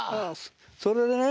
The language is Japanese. それでね